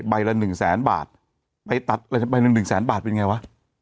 ใบละหนึ่งแสนบาทไปตัดใบละหนึ่งแสนบาทเป็นไงวะ